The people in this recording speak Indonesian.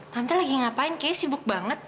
tante lagi ngapain kayaknya sibuk banget